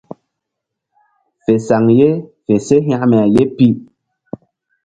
Fe saŋ ye fe se hekme ye pi.